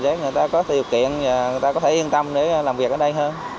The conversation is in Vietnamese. để người ta có tiêu kiện người ta có thể yên tâm để làm việc ở đây hơn